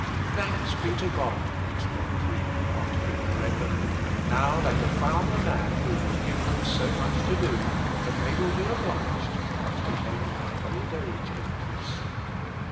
"Thanks be to God," exclaimed he, after he had read them, "now they have found a man who will give them so much to do, that they will be obliged to let me end my old age in peace."